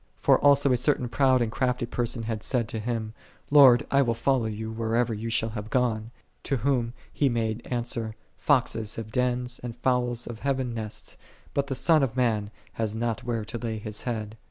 For also a certain proud and crafty person had said to Him, "Lord, I will follow Thee whithersoever Thou shalt have gone;"8 to whom He made answer, " Foxes have dens, and fowls of heaven nests: but the Son of Man hath not where to lay His Head."